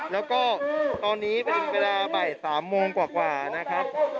แล้วก็ตอนนี้เป็นเวลาบ่าย๓โมงกว่านะครับ